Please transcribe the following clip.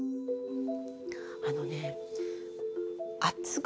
あのね。